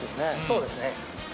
そうですね。